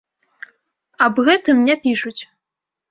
Аб гэтым не пішуць.